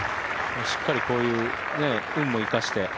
しっかりこういう運も生かして。